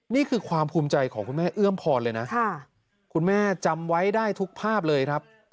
นี่คือความภูมิใจของคุณแม่เอื้อมพรเลยนะคุณแม่จำไว้ได้ทุกภาพเลยครับ